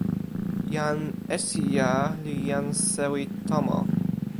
jan Esija li jan sewi tomo.